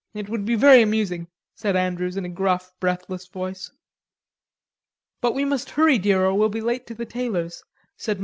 It would be very amusing," said Andrews in a gruff, breathless voice. "But we must hurry, dear, or we'll be late to the tailor's," said Mme.